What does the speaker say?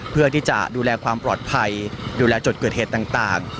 เพื่อที่จะดูแลความปลอดภัยดูแลจุดเกิดเหตุต่าง